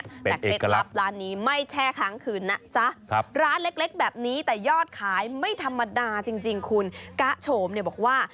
แต่เป็ดลับหลานนี้ไม่แช่ครั้งคืนนะจ๊ะร้านเล็กแบบนี้แต่ยอดขายไม่ธรรมดาจริงคุณกะโฉมบอกว่า